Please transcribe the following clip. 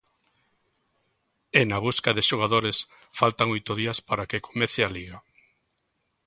E na busca de xogadores faltan oito días para que comece a Liga.